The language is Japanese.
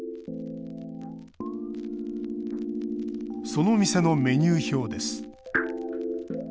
その店のメニュー表です。